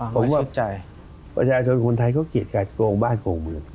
ผมว่าประชาชนคนไทยเขาเกลียดกัดโกงบ้านโกงเมือง